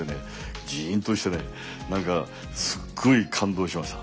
ジーンとしてね何かすっごい感動しました。